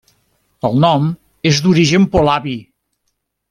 El nom és d'origen polabi.